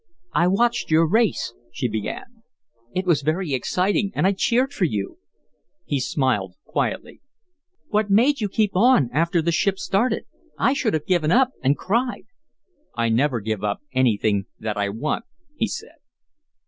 "I watched your race," she began. "It was very exciting and I cheered for you." He smiled quietly. "What made you keep on after the ship started? I should have given up and cried." "I never give up anything that I want," he said.